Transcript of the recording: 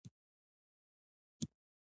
بل دلال بیا د یوې قبیلې د سل سلنې رایو څښتن دی.